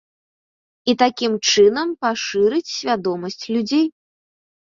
І такім чынам пашырыць свядомасць людзей.